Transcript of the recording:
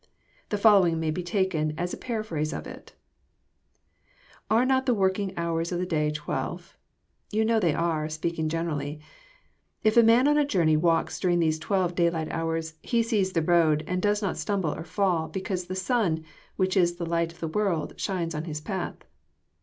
The following may be taken as a paraphrase of it :— "Are not the working hours of the day twelve? You know they are, speaking generally. If a man on a Journey walks dur ing these twelve daylight hours, he sees his road, and does not stumble or fall, because the sun, which is the light of the world, shines on his path.